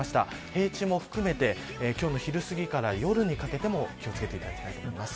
平地も含めて今日の昼すぎから夜にかけても気を付けていただきたいと思います。